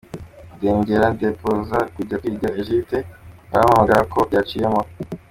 ndongera ndeposa kujya kwiga egypte, barampamagara ko byaciyemo.